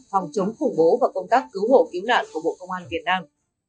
phòng chống khủng bố và công tác cứu hộ cứu nạn của bộ công an việt nam